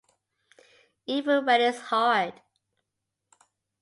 Even when it’s hard.